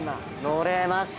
◆乗れます。